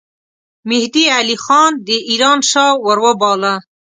مهدي علي خان د ایران شاه وروباله.